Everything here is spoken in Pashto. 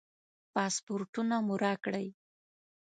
پاسپورټونه مو راکړئ.